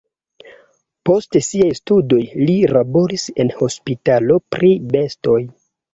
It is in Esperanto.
Post siaj studoj li laboris en hospitalo pri bestoj.